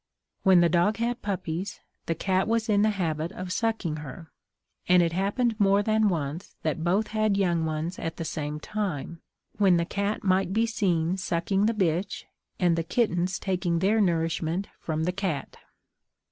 When the dog had puppies, the cat was in the habit of sucking her; and it happened more than once that both had young ones at the same time, when the cat might be seen sucking the bitch, and the kittens taking their nourishment from the cat.